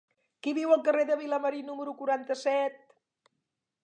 Qui viu al carrer de Vilamarí número quaranta-set?